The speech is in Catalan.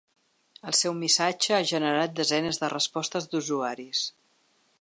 El seu missatge ha generat desenes de respostes d’usuaris.